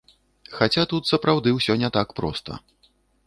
Хаця тут сапраўды ўсё не так проста.